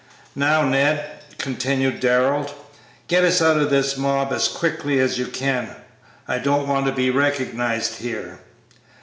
"Now, Ned," continued Darrell, "get us out of this mob as quickly as you can; I don't want to be recognized here."